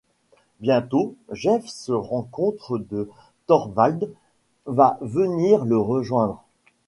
Bientôt, Jeff se rend compte que Thorwald va venir le rejoindre.